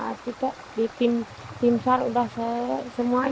dan buat tempat tinggal anak anak saya yang sudah berada di rumah saya